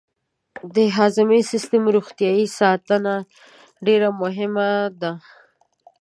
د هضمي سیستم روغتیا ساتنه ډېره مهمه ده.